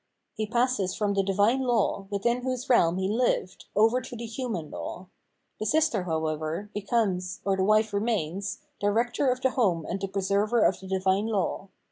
He passes from the divine law, within whose realm he lived, over to the human law. The sister, however, becomes, or the wife remains, director of the home and the preserver of the divine law.